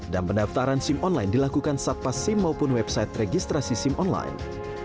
dan pendaftaran sim online dilakukan satpas sim maupun website registrasi sim online